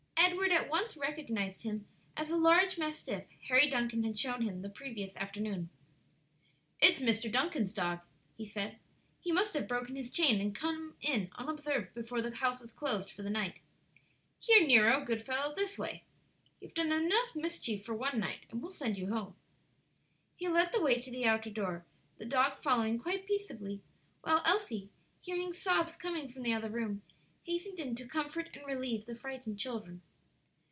Edward at once recognized him as a large mastiff Harry Duncan had shown him the previous afternoon. "It's Mr. Duncan's dog," he said; "he must have broken his chain and come in unobserved before the house was closed for the night. Here, Nero, good fellow, this way! You've done mischief enough for one night, and we'll send you home." He led the way to the outer door, the dog following quite peaceably, while Elsie, hearing sobs coming from the other room, hastened in to comfort and relieve the frightened children.